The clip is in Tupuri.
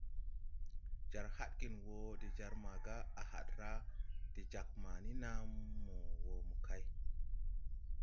Jar hadgen wɔ de jar maga à had raa de jag mani naa mo wɔ mokay.